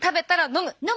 飲む！